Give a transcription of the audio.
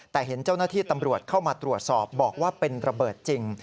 แต่เห็นเจ้าหน้าที่ตำรวจเข้ามาตรวจสอบบอกว่าเป็นระเบิดจริง